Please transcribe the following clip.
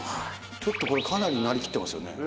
ちょっとこれかなり成りきってますよね。